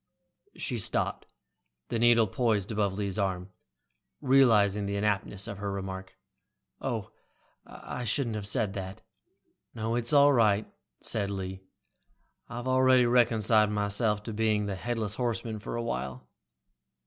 She stopped, the needle poised above Lee's arm, realizing the inaptness of her remark. "Oh. I shouldn't have said that." "No, that's all right," said Lee. "I've already reconciled myself to being the headless horseman for a while."